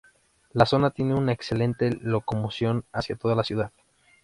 La zona tiene una excelente locomoción hacia toda la ciudad.